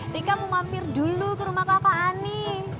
rika mau mampir dulu ke rumah kakak ani